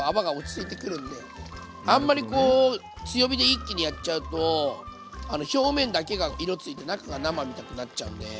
あんまりこう強火で一気にやっちゃうと表面だけが色ついて中が生みたくなっちゃうんで。